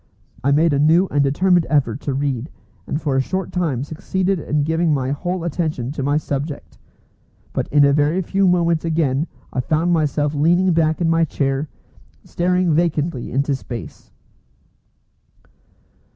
I made a new and determined effort to read, and for a short time succeeded in giving my whole attention to my subject. But in a very few moments again I found myself leaning back in my chair, staring vacantly into space.